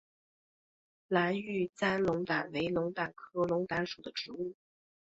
蓝玉簪龙胆为龙胆科龙胆属的植物。